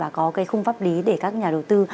và có cái khung pháp lý để các nhà đầu tư